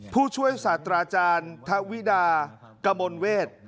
ผู้ช่วยสัตว์อาจารย์ธวิดากะมนเวศ